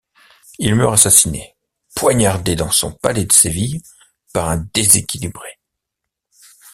Il meurt assassiné, poignardé dans son palais de Séville par un déséquilibré.